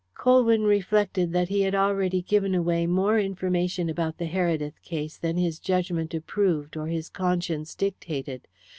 Colwyn reflected that he had already given away more information about the Heredith case than his judgment approved or his conscience dictated.